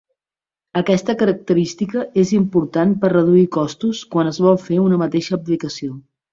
Aquesta característica és important per reduir costos quan es vol fer una mateixa aplicació.